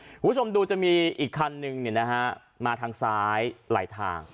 คุณผู้ชมดูจะมีอีกคันนึงมาทางซ้ายไหลทาง